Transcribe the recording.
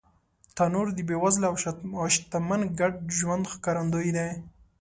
تنور د بېوزله او شتمن ګډ ژوند ښکارندوی دی